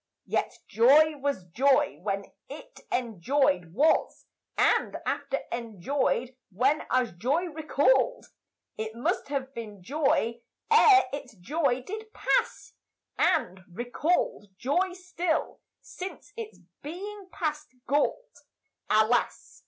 Yet joy was joy when it enjoyèd was And after enjoyed when as joy recalled, It must have been joy ere its joy did pass And, recalled, joy still, since its being past galled. Alas!